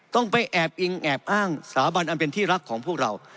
ต้องไปแอบอิงแอบอ้างสถาบันอันเป็นที่รักของพวกเรา